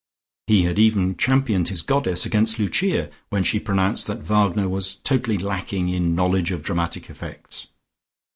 He had even championed his goddess against Lucia, when she pronounced that Wagner was totally lacking in knowledge of dramatic effects.